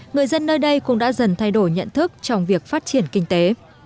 người dân nơi đây cũng đã dần thay đổi nhận thức trong việc phát triển kinh tế